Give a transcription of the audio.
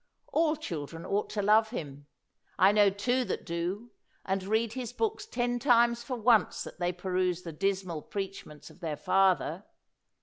All children ought to love him. I know two that do, and read his books ten times for once that they peruse the dismal preachments of their father.